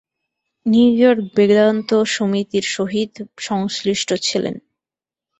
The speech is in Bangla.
নিউ ইর্য়ক বেদান্ত সমিতির সহিত সংশ্লিষ্ট ছিলেন।